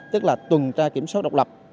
tức là tuần tra kiểm soát độc lập